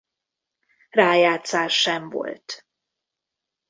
Rájátszás sem volt.